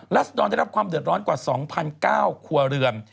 ลัทธกรอบได้รับความเดือดร้อนกว่า๒๐๐๙คั่วเรือง